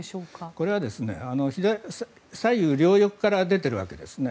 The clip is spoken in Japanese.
これは左右両翼から出ているわけですね。